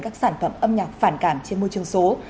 các sản phẩm âm nhạc phản cảm trên môi trường số